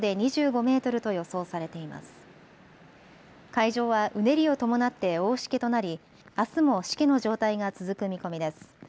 海上はうねりを伴って大しけとなり、あすもしけの状態が続く見込みです。